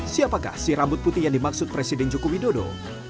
siapakah si rambut putih yang dimaksud presiden joko widodo